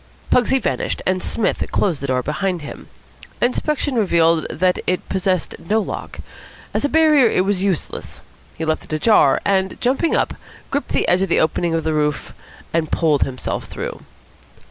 Pugsy vanished, and Psmith closed the door behind him. Inspection revealed the fact that it possessed no lock. As a barrier it was useless. He left it ajar, and, jumping up, gripped the edge of the opening in the roof and pulled himself through.